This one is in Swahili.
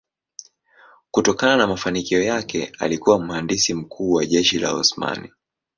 Kutokana na mafanikio yake alikuwa mhandisi mkuu wa jeshi la Osmani.